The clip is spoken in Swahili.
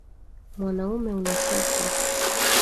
Mwanaume unachapwa.